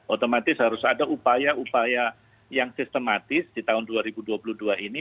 otomatis harus ada upaya upaya yang sistematis di tahun dua ribu dua puluh dua ini